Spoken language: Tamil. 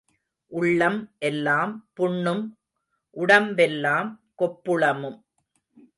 உள்ளம் எல்லாம் புண்ணும் உடம்பெல்லாம் கொப்புளமும்.